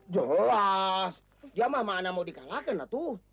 jelas dia mah mana mau dikalahkan lah tuh